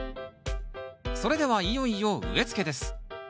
それではいよいよ植えつけです。